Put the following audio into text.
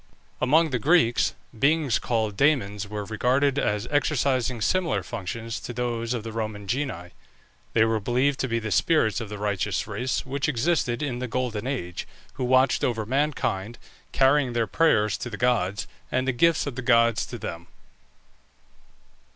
Among the Greeks, beings called Dæmons were regarded as exercising similar functions to those of the Roman genii. They were believed to be the spirits of the righteous race which existed in the Golden Age, who watched over mankind, carrying their prayers to the gods, and the gifts of the gods to them.